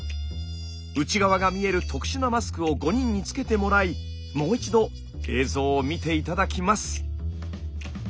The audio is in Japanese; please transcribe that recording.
内側が見える特殊なマスクを５人につけてもらいもう一度映像を見て頂きます。